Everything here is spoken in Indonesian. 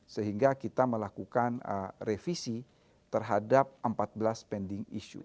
sehingga kita melakukan revisi terhadap empat belas pending issue